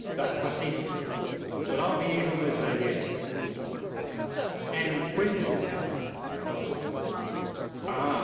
"The hussey! But I'll be even with her yet!" "And when did this happen?" inquired Tom. "Oh!